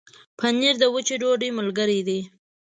پنېر د وچې ډوډۍ ملګری دی.